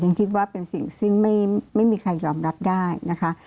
คิดว่าเป็นสิ่งซึ่งไม่มีใครยอมรับได้นะคะ